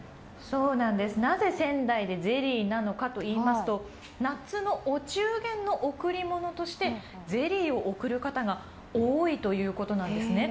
なぜ仙台でゼリーなのかと言いますと夏のお中元の贈り物としてゼリーを贈る方が多いということなんですね。